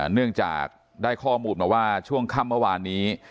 เนื่องจากได้ข้อมูลมาว่าช่วงค่ำเมื่อวานนี้